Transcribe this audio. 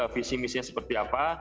visi visinya seperti apa